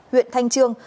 huyện thanh trương